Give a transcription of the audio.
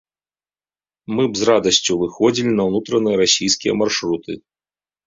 Мы б з радасцю выходзілі на ўнутраныя расійскія маршруты.